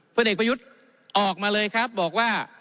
เด็กประยุทธ์ออกมาเลยครับบอกว่า